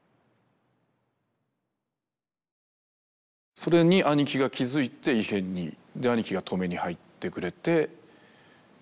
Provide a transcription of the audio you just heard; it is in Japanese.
それに兄貴が気づいて異変に。で兄貴が止めに入ってくれて。